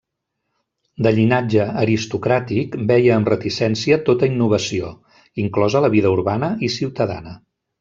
De llinatge aristocràtic, veia amb reticència tota innovació, inclosa la vida urbana i ciutadana.